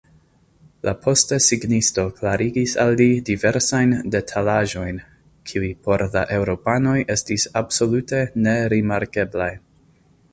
La postesignisto klarigis al li diversajn detalaĵojn, kiuj por la eŭropanoj estis absolute nerimarkeblaj.